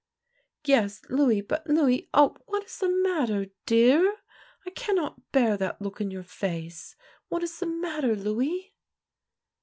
Yes, Louis, but Louis — ah, what is the matter, dear? I cannot bear that look in your face. What is the matter, Louis?